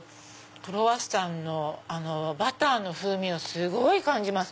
クロワッサンのバターの風味をすごい感じます。